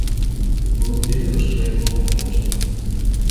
Вы уверены, что я не могу помочь?